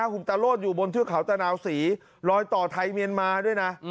หุมตะโลดอยู่บนเทือกเขาตะนาวศรีลอยต่อไทยเมียนมาด้วยนะ